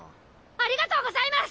ありがとうございます！